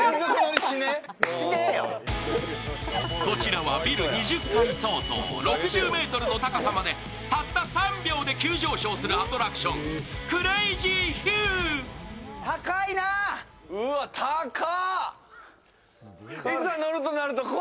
こちらはビル２０階相当、６０ｍの高さまでたった３秒で急上昇するアトラクション、クレージーヒュー。